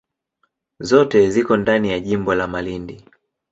Zote ziko ndani ya jimbo la Malindi.